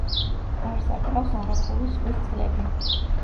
გარს აკრავს არაფურის ზღვის წყლები.